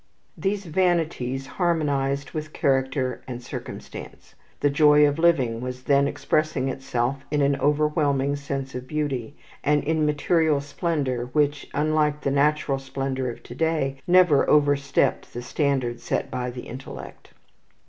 These vanities harmonized with character and circumstance. The joy of living was then expressing itself in an overwhelming sense of beauty, and in material splendour which, unlike the material splendour of to day, never overstepped the standard set by the intellect.